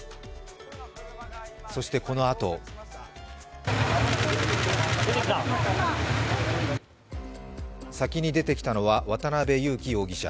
そして、このあと先に出てきたのは渡辺優樹容疑者。